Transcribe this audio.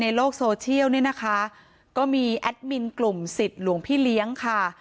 ในโลกโซเชียลเนี่ยนะคะก็มีแอดมินกลุ่มสิทธิ์หลวงพี่เลี้ยงค่ะ